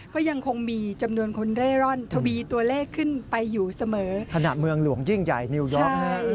ก็ยังคงมีจำนวนคนเล่ร่อนทวีตัวเลขขึ้นไปอยู่เสมอ